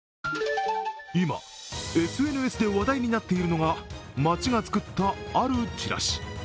今、ＳＮＳで話題になっているのが町が作ったあるチラシ。